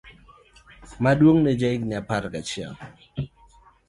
Maduong' ne en ja higni apar kod achiel.